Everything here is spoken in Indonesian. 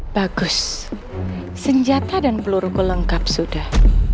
bagus senjata dan peluruku lengkap sudah